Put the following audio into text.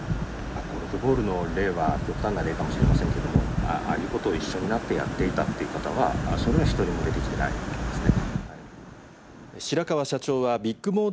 ゴルフボールの例は極端の例かもしれませんけれども、ああいうことを一緒になってやっていたっていう方は、それは一人も出てきてないですね。